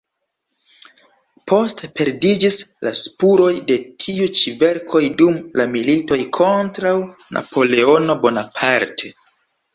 Poste perdiĝis la spuroj de tiu ĉi verkoj dum la militoj kontraŭ Napoleono Bonaparte.